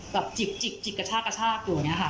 แบบจิบจิบจิบกระชากระชากอยู่อย่างเงี้ยค่ะ